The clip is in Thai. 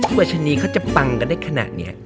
ผู้วัชนีเขาจะปังกันได้ขนาดนี้